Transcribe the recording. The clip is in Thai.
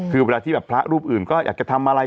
คือเวลาที่แบบพระรูปอื่นก็อยากจะทำอะไร